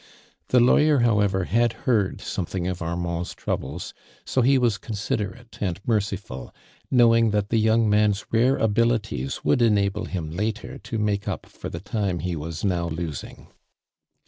Tlie lawyer, however, had heard something of Armand's troubles, so lie was considemte and merciful, knowing that the young man's rare abilities would enable him later, to make up for tho time he was now losing.